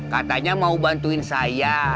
katanya mau bantuin saya